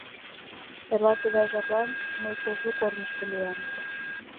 Эрла тыгай жаплан мый кужу корнышто лиям.